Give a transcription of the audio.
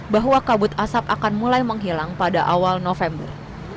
bahwa kabut asap akan mulai menghilang pada awal november